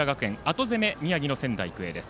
後攻、宮城の仙台育英です。